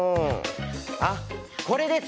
あっこれです。